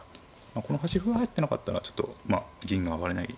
この端歩が入ってなかったらちょっとまあ銀が上がれない。